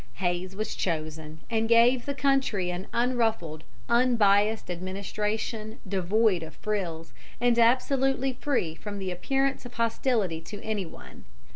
Hayes was chosen, and gave the country an unruffled, unbiased administration, devoid of frills, and absolutely free from the appearance of hostility to any one.